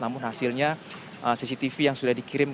namun hasilnya cctv yang sudah dikirim